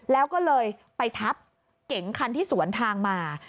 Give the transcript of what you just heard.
แล้วก็เลยไปทับเก๋งคันที่สวนทางมา